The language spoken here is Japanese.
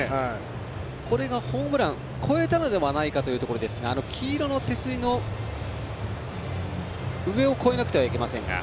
これがホームラン越えたのではないかということですが黄色の手すりの上を越えなくてはいけませんが。